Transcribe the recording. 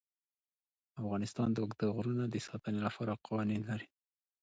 افغانستان د اوږده غرونه د ساتنې لپاره قوانین لري.